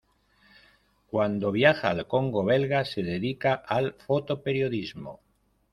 Cuando viaja al Congo belga, se dedica al fotoperiodismo.